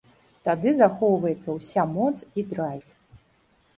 Тады захоўваецца ўся моц і драйв!